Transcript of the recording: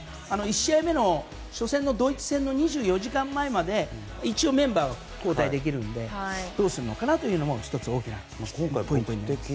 １試合目の初戦ドイツ戦の２４時間前まで一応メンバーは交代できるのでどうするのかなというのも１つ大きなポイントになります。